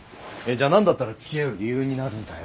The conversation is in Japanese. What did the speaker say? じゃあ何だったらつきあう理由になるんだよ。